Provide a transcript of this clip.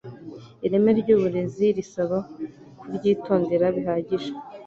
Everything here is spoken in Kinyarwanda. Ireme ry'uburezi risaba kuryitondera bihagije